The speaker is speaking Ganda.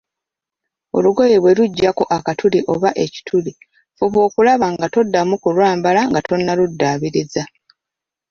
Olugoye bwe lujjako akatuli oba ekituli, fuba okulaba nga toddamu kulwambala nga tonnaluddaabiriza.